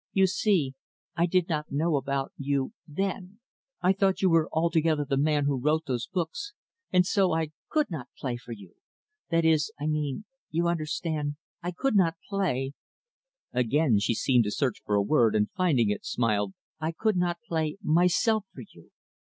"You see, I did not know about you then. I thought you were altogether the man who wrote those books and so I could not play for you. That is I mean you understand I could not play " again she seemed to search for a word, and finding it, smiled "I could not play myself for you.